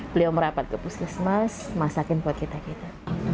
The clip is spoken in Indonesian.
beliau merapat ke puskesmas masakin buat kita kita